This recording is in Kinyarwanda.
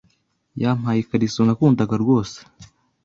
Yampaye ikariso nakundaga rwose.